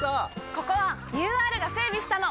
ここはＵＲが整備したの！